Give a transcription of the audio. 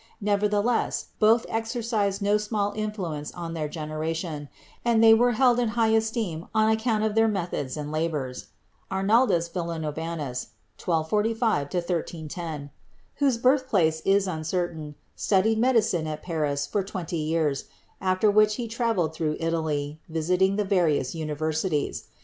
Nevertheless both exercised no small influence on their THE EARLY ALCHEMISTS 39 generation and they were held in high esteem on account of their methods and labors. Arnaldus Villanovanus (1245 1310), whose birthplace is uncertain, studied medicine at Paris for twenty years, after which he traveled through Italy, visiting the various universities.